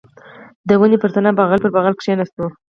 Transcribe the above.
د ونې پر تنه بغل پر بغل کښېناستو.